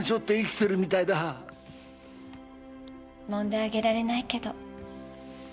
揉んであげられないけど。